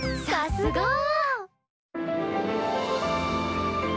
さすが！